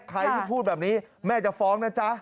ใครที่พูดแบบนี้แม่จะฟ้องนะจ๊ะ